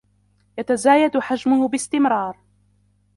يتزايد حجمه باستمرار